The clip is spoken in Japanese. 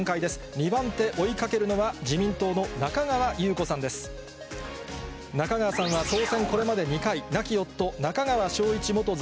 ２番手、追いかけるのは自民党の中川郁子さんです。